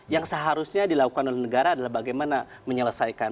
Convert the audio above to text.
yang seharusnya dilakukan oleh negara adalah bagaimana menyelesaikan